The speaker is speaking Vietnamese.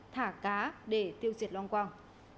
thả cá để tiêu diệt loang quang